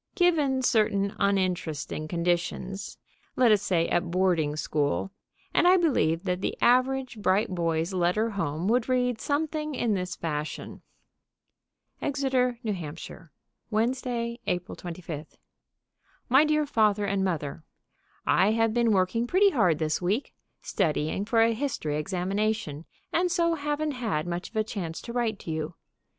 Given certain uninteresting conditions, let us say, at boarding school, and I believe that the average bright boy's letter home would read something in this fashion: Exeter, N.H., Wed., April 25. MY DEAR FATHER AND MOTHER: I have been working pretty hard this week, studying for a history examination, and so haven't had much of a chance to write to you.